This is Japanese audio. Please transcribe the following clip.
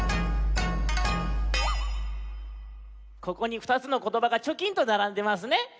ここに２つのことばがチョキンとならんでますね。